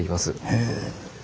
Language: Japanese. へえ。